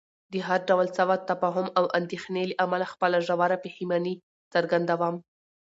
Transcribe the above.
د هر ډول سوء تفاهم او اندېښنې له امله خپله ژوره پښیماني څرګندوم.